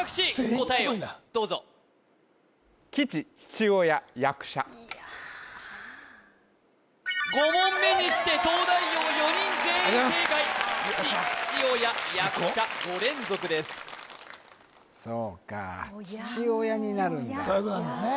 答えをどうぞ全員すごいないや５問目にして東大王４人全員正解ありがとうございます基地父親役者５連続ですすごっそうか父親になるんだそういうことなんですね